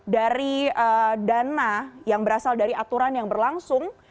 dari dana yang berasal dari aturan yang berlangsung